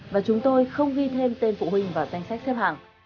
và chúng tôi không ghi thêm tên phụ huynh vào danh sách xếp hàng